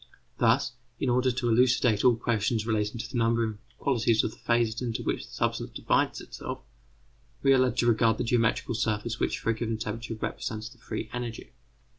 Thus, in order to elucidate all questions relating to the number and qualities of the phases into which the substance divides itself, we are led to regard the geometrical surface which for a given temperature represents the free energy.